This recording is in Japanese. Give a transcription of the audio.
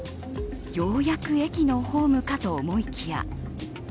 ようやく駅のホームかと思いきや。